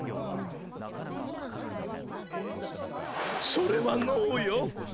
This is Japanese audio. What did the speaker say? それはノーよ！